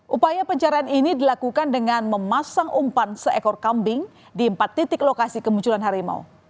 upaya pencarian ini dilakukan dengan memasang umpan seekor kambing di empat titik lokasi kemunculan harimau